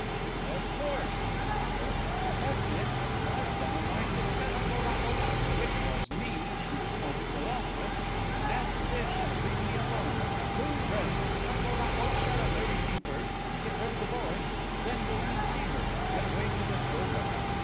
"Why, of course," he said, "that's it. I've downright disgusted her; it was me she was most put out with, and after this she'll leave me alone. Hooray! I'll shut up everything first and get rid of the boy, and then go in and see her, and get away to Matilda."